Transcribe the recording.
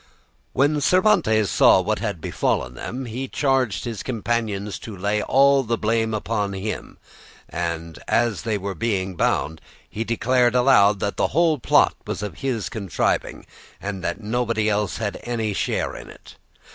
When Cervantes saw what had befallen them, he charged his companions to lay all the blame upon him, and as they were being bound he declared aloud that the whole plot was of his contriving, and that nobody else had any share in it.